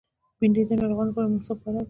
بېنډۍ د ناروغانو لپاره مناسب خوراک دی